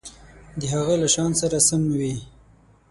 د هغه له شأن سره سم وي.